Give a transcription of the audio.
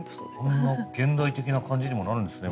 こんな現代的な感じにもなるんですね